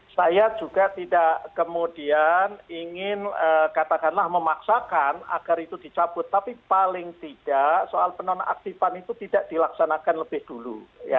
saya juga tidak kemudian ingin katakanlah memaksakan agar itu dicabut tapi paling tidak soal penonaktifan itu tidak dilaksanakan lebih dulu